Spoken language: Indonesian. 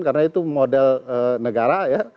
karena itu model negara ya